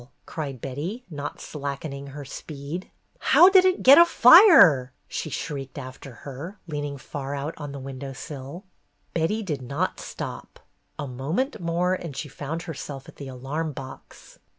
cried Betty, not slackening her speed. "How did it get afire?" she shrieked after her, leaning far out on the window sill. Betty did not stop. A moment more and she found herself at the alarm box.